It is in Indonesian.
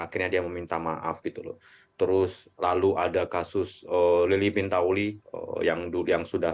akhirnya dia meminta maaf gitu loh terus lalu ada kasus lili pintauli yang dulu yang sudah